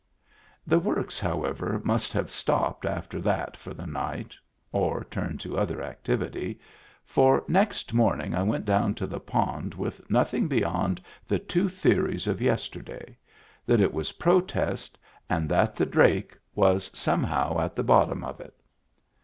The works, however, must have stopped after that for the night — or turned to other activity — for next morning I went down to the pond with nothing beyond the two theories of yesterday: that it was protest and that the drake was some Digitized by Google 294 MEMBERS OF THE FAMILY how at the bottom of it.